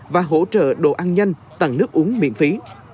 và hỗ trợ đồ ăn nhanh tặng nước uống miễn phí